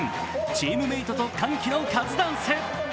チームメートと歓喜のカズダンス！